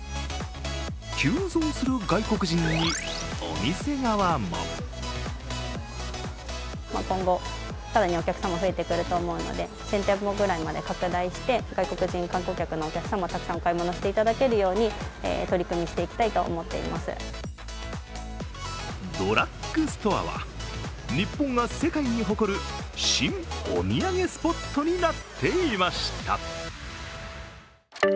急増する外国人にお店側もドラッグストアは日本が世界に誇る新お土産スポットになっていました。